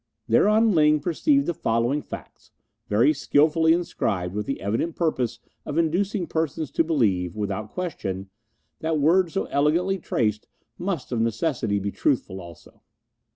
Thereon Ling perceived the following facts, very skilfully inscribed with the evident purpose of inducing persons to believe, without question, that words so elegantly traced must of necessity be truthful also.